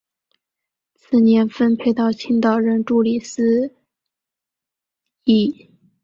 次年分配到青岛任助理司铎。